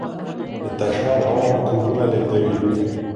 د تشناب هوا میکروبونه لیږدوي.